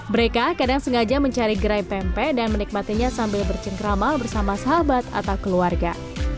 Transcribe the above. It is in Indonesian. mereka kadang sengaja mencari gerai pempek dan menikmatinya sambil bercengkrama bersama sahabat atau keluarga